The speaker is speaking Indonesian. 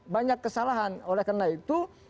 banyak kesalahan oleh karena itu